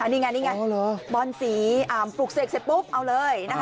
นี่ไงบ่นสีอามปลูกเสกเสร็จปุ๊บเอาเลย